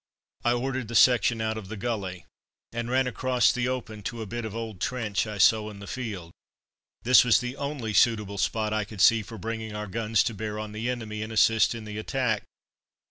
I ordered the section out of the gully, and ran across the open to a bit of old trench I saw in the field. This was the only suitable spot I could see for bringing our guns to bear on the enemy, and assist in the attack.